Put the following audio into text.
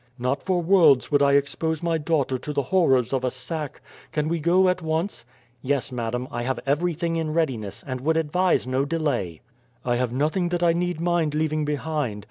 Not for worlds would I expose my daughter to the horrors of a sack. Can we go at once?" "Yes, madam, I have everything in readiness, and would advise no delay." "I have nothing that I need mind leaving behind.